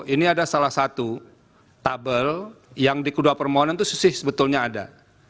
ini ada salah satu tabel yang di kedua permohonan itu sisih sebetulnya ada